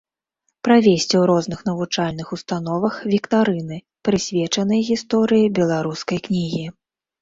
Правесці ў розных навучальных установах віктарыны, прысвечаныя гісторыі беларускай кнігі.